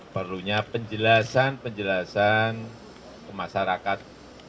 perlunya penjelasan penjelasan ke masyarakat